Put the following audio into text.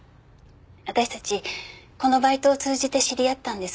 私たちこのバイトを通じて知り合ったんです。